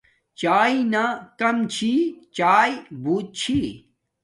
چایݵے نا کم چھی چایݵے بوت چھی